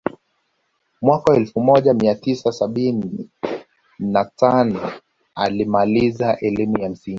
Mwaka elfu moja mia tisa sabini na tano alimaliza elimu ya msingi